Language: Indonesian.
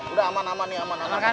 udah aman aman nih